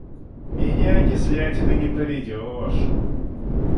Меня кислятиной не проведешь!